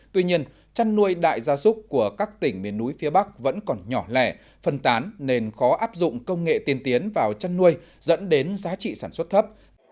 tuy nhiên chăn nuôi đại gia súc của các tỉnh miền núi phía bắc vẫn còn nhỏ lẻ phân tán nên khó áp dụng công nghệ tiên tiến vào chăn nuôi dẫn đến giá trị sản xuất thấp